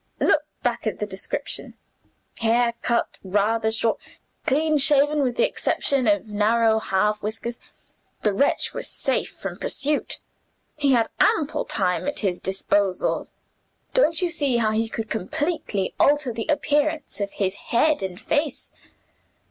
"Look back at the description: 'Hair cut rather short, clean shaven, with the exception of narrow half whiskers.' The wretch was safe from pursuit; he had ample time at his disposal don't you see how he could completely alter the appearance of his head and face?